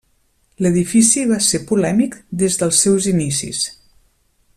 L'edifici va ser polèmic des dels seus inicis.